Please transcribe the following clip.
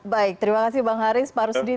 baik terima kasih bang haris pak rusdi